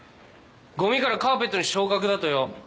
ゴミからカーペットに昇格だとよ。